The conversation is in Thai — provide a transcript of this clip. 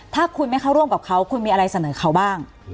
ถ้าคุณไม่เข้าร่วมกับเขาคุณมีอะไรเสนอเขาบ้าง